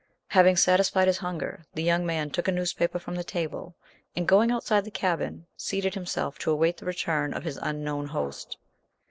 Having satisfied his hunger, the young man took a newspaper from the table, and, going outside the cabin, seated himself to await the return of his unknown host.